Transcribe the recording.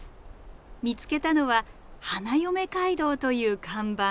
見つけたのは「花嫁街道」という看板。